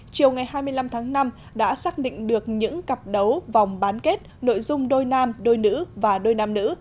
chiều ngày hai mươi năm tháng năm đã xác định được những cặp đấu vòng bán kết nội dung đôi nam đôi nữ và đôi nam nữ